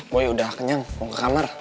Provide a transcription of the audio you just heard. pokoknya udah kenyang mau ke kamar